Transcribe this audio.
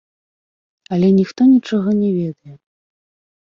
Але ніхто нічога не ведае.